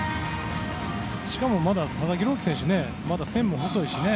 しかもまだ佐々木朗希選手は線も細いしね。